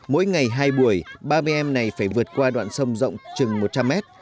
mỗi ngày hai buổi ba mươi em này phải vượt qua đoạn sông rộng chừng một trăm linh mét